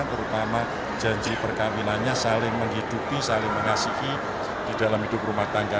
terutama janji perkawinannya saling menghidupi saling mengasihi di dalam hidup rumah tangga